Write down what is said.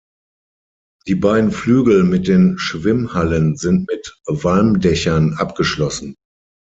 Die beiden Flügel mit den Schwimmhallen sind mit Walmdächern abgeschlossen.